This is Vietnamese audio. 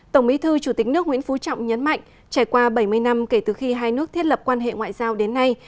tổng bí thư chủ tịch nước nguyễn phú trọng nhấn mạnh trải qua bảy mươi năm kể từ khi hai nước thiết lập quan hệ ngoại giao đến nay